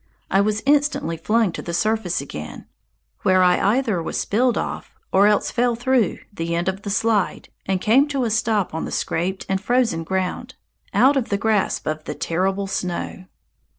I was instantly flung to the surface again, where I either was spilled off, or else fell through, the end of the slide, and came to a stop on the scraped and frozen ground, out of the grasp of the terrible snow.